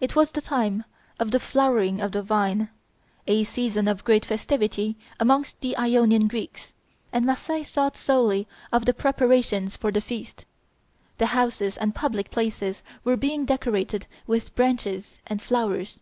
It was the time of the flowering of the vine, a season of great festivity amongst the Ionian Greeks, and Marseilles thought solely of the preparations for the feast. The houses and public places were being decorated with branches and flowers.